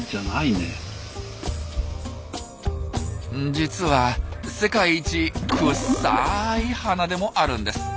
実は世界一くさい花でもあるんです。